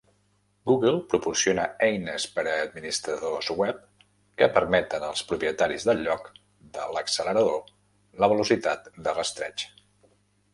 Google proporciona "eines per a administradors web" que permeten als propietaris del lloc de l'accelerador la velocitat de rastreig.